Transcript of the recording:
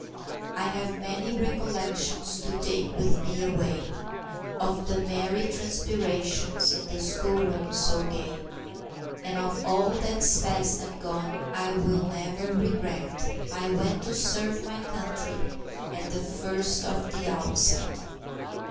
"I have many recollections to take with me away, Of the merry transpirations in the school room so gay; And of all that's past and gone I will never regret I went to serve my country at the first of the outset!"